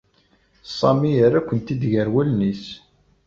Sami yerra-kent-id gar wallen-is.